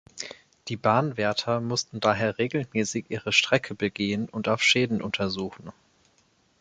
Die Bahnwärter mussten daher regelmäßig ihre Strecke begehen und auf Schäden untersuchen.